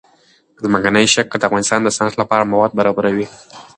ځمکنی شکل د افغانستان د صنعت لپاره مواد برابروي.